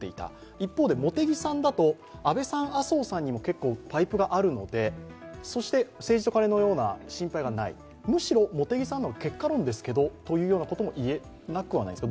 一方で茂木さんだと安倍さん、麻生さんにも結構パイプがあるので、政治とカネのような心配がない、むしろ茂木さんの方が結果論ですけどとも言えなくはないですか？